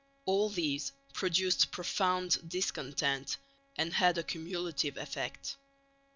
All these produced profound discontent and had a cumulative effect.